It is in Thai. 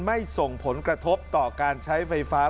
ไม่ส่งผลกระทบต่อการใช้ไฟฟ้า